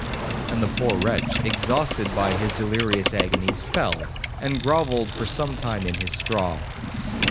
'—And the poor wretch, exhausted by his delirious agonies, fell, and grovelled for some time in his straw.